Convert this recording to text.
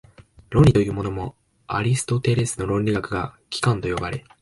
論理というものも、アリストテレスの論理学が「機関」（オルガノン）と呼ばれ、